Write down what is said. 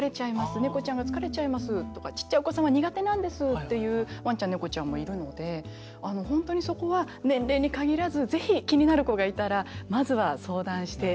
ネコちゃんが疲れちゃいますとかちっちゃいお子さんは苦手なんですというワンちゃんネコちゃんもいるので本当にそこは年齢に限らず是非気になる子がいたらまずは相談してみてほしいなって思います。